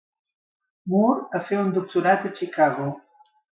Moore a fer un doctorat a Chicago.